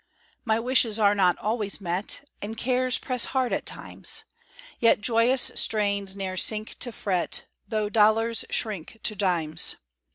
My wishes are not always met, And cares press hard at times; Yet joyous strains ne'er sink to fret, Tho' dollars shrink to dimes.